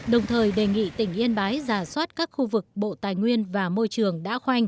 đồng thời đề nghị tỉnh yên bái giả soát các khu vực bộ tài nguyên và môi trường